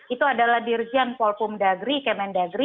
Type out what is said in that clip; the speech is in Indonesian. itu adalah dirjan polpum dagri kemen dagri